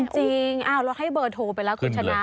จริงเราให้เบอร์โทรไปแล้วคุณชนะ